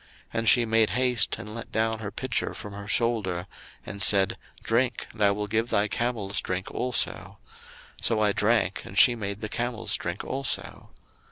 01:024:046 And she made haste, and let down her pitcher from her shoulder, and said, Drink, and I will give thy camels drink also: so I drank, and she made the camels drink also.